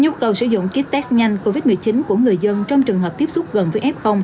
nhu cầu sử dụng kit test nhanh covid một mươi chín của người dân trong trường hợp tiếp xúc gần với f